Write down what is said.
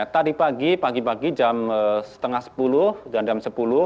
tadi pagi pagi jam setengah sepuluh dan jam sepuluh